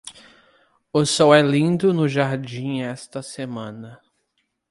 O sol é lindo no jardim esta semana.